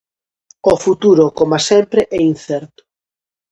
O futuro, coma sempre, é incerto.